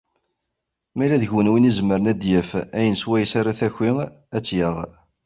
Ma yella deg-wen win i izemren ad d-yaf ayen swayes ara d-taki, ad tt-yaɣ.